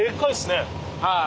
はい。